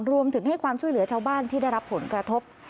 รวมถึงให้ความช่วยเหลือชาวบ้านที่ได้รับผลกระทบ